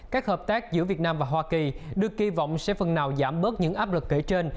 các hợp tác giữa việt nam và hoa kỳ được kỳ vọng sẽ phần nào giảm bớt những áp lực kể trên